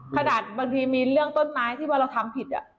ขนาดบางทีมีเรื่องต้นไม้ที่ว่าเราทำผิด